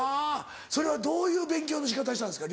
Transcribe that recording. それはどういう勉強の仕方したんですか？